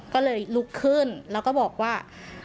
ก็เลยลุกขึ้นแล้วก็บอกว่า